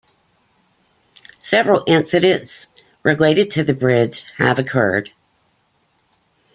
Several incidents related to the bridge have occurred.